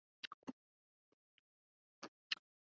تو میں نہیں جان سکا کہ جواب دینے میں کیا مانع ہے؟